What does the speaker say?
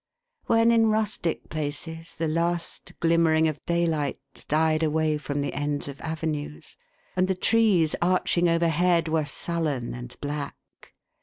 When, in rustic places, the last glimmering of daylight died away from the ends of avenues ; and the trees, arching over head, were sullen and black.